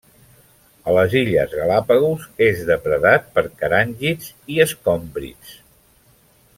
A les illes Galápagos és depredat per caràngids i escòmbrids.